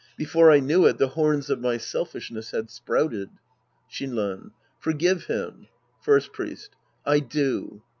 Before I knew it, the horns of my selfishness had sprouted. Shinran. Forgive him. First Priest. I do.